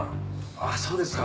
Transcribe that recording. あっそうですか。